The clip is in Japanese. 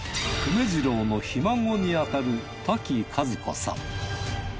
久米次郎のひ孫にあたる多木和子さん